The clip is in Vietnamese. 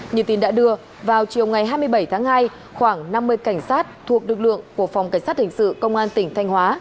như tin đã đưa vào chiều ngày hai mươi bảy tháng hai khoảng năm mươi cảnh sát thuộc lực lượng của phòng cảnh sát hình sự công an tỉnh thanh hóa